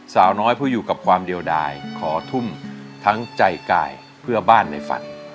สาวน้อยผู้อยู่กับความเดียวดายขอทุ่มทั้งใจกายเพื่อบ้านในฝัน